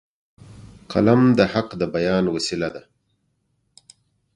قلم د حق د بیان وسیله ده